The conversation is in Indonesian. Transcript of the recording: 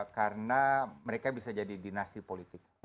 karena mereka bisa jadi dinasti politik